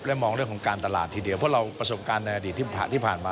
และมองเรื่องของการตลาดทีเดียวเพราะเราประสบการณ์ในอดีตที่ผ่านมา